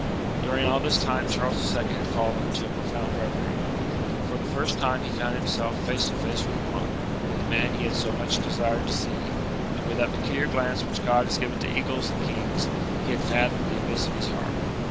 During all this time Charles II. had fallen into a profound reverie. For the first time he found himself face to face with Monk; with the man he had so much desired to see; and, with that peculiar glance which God has given to eagles and kings, he had fathomed the abyss of his heart.